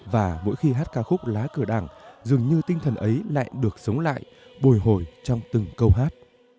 và mỗi khi hát ca khúc lá cờ đảng dường như tinh thần ấy lại được sống lại bồi hồi trong từng câu hát